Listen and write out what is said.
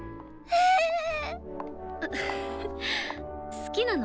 好きなの？